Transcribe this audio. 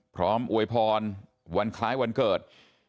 พร้อมอวยพรวันคลายวันเกิด